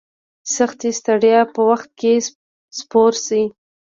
سختي ستړیا په وخت کې سپور شي.